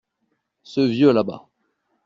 Ce vieux là-bas.